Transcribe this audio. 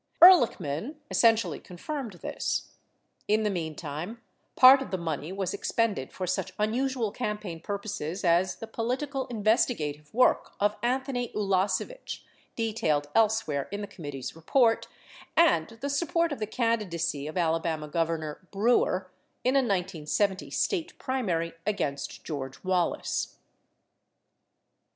87 Ehrlichman essentially confirmed this. 88 In the meantime, part of the money was expended for such unusual campaign purposes as the political investigative work of Anthony Ulasewicz, detailed elsewhere in the committee's report, and the support of the candidacy of Alabama Governor Brewer in a 1970 State primary against George Wallace.